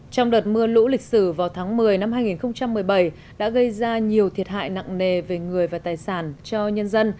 trong đợt mưa lũ lịch sử vào tháng một mươi năm hai nghìn một mươi bảy đã gây ra nhiều thiệt hại nặng nề về người và tài sản cho nhân dân